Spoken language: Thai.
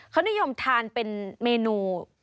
เขานิยมทานเป็นเมนู